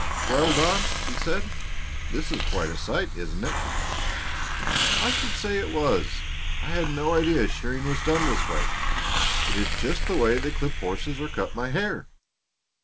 "Well, Don," he said, "this is quite a sight, isn't it?" "I should say it was! I had no idea shearing was done this way. It is just the way they clip horses or cut my hair."